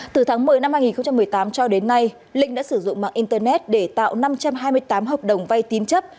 từ tháng một mươi năm hai nghìn một mươi tám cho đến nay linh đã sử dụng mạng internet để tạo năm trăm hai mươi tám hợp đồng vay tín chấp